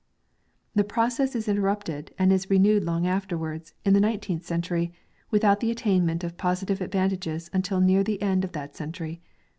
The process is interrupted and is renewed long afterwards, in the nineteenth century, without the attainment of positive advantages until near the end of that century.